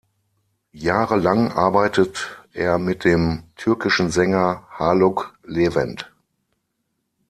Jahrelang arbeitet er mit dem türkischen Sänger Haluk Levent.